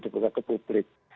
dibuka ke publik